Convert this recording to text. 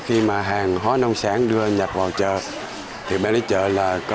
khi mà hàng hóa nông sản đưa nhập vào chợ thì bên đấy chợ là có